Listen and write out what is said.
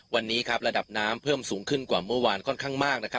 วันนี้ครับระดับน้ำเพิ่มสูงขึ้นกว่าเมื่อวานค่อนข้างมากนะครับ